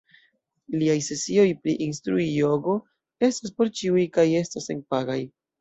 Liaj sesioj pri instrui jogo estas por ĉiuj kaj estas senpagaj.